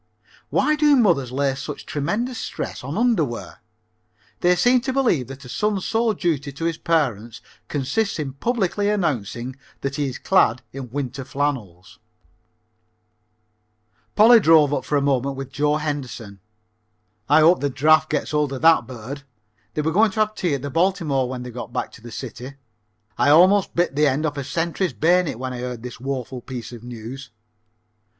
Why do mothers lay such tremendous stress on underwear? They seem to believe that a son's sole duty to his parents consists in publicly announcing that he is clad in winter flannels. [Illustration: "MOTHER KEPT SCREAMING THROUGH THE WIRE ABOUT MY UNDERWEAR"] Polly drove up for a moment with Joe Henderson. I hope the draft gets hold of that bird. They were going to have tea at the Biltmore when they got back to the city. I almost bit the end off of a sentry's bayonet when I heard this woeful piece of news.